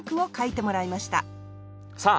さあ